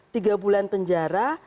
tiga bulan penjara